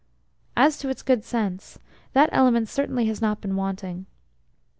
As to its good sense, that element certainly has not been wanting.